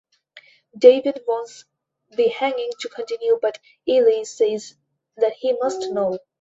David wants the hanging to continue but Eli says that he must know.